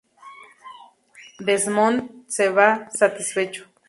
Desmond se va satisfecho.